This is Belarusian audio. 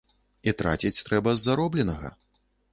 І траціць трэба з заробленага.